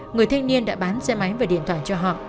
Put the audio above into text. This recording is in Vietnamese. người thanh niên đã bán xe máy và điện thoại cho họ